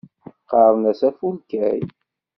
Qqaren-as Afulkay.